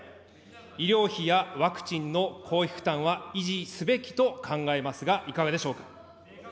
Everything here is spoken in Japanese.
医療費やワクチンの公費負担は維持すべきと考えますが、いかがでしょうか。